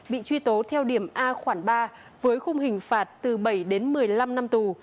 bị truy tố theo điểm a khoản ba với khung hình phạt từ bảy đến một mươi năm năm tù